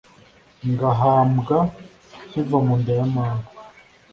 ngahambwa nkiva mu nda ya mama